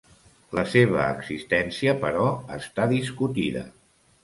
La seva existència, però, està discutida.